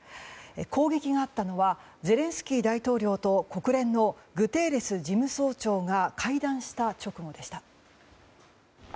攻撃があったのはゼレンスキー大統領と国連のグテーレス事務総長が会談した直後でした。